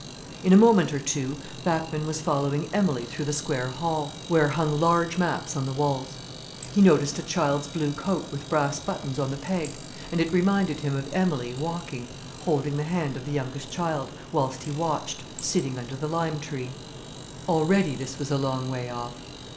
In a moment or two Bachmann was following Emilie through the square hall, where hung large maps on the walls. He noticed a child's blue coat with brass buttons on the peg, and it reminded him of Emilie walking holding the hand of the youngest child, whilst he watched, sitting under the lime tree. Already this was a long way off.